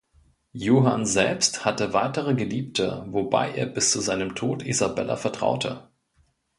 Johann selbst hatte weitere Geliebte, wobei er bis zu seinem Tod Isabella vertraute.